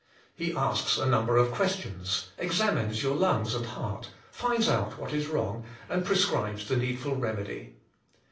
He asks a number of questions, examines your lungs and heart, finds out what is wrong and prescribes the needful remedy.